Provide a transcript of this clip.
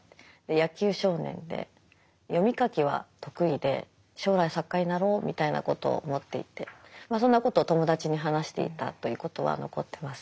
野球少年で読み書きは得意で将来作家になろうみたいなことを思っていてまあそんなことを友達に話していたということは残ってます。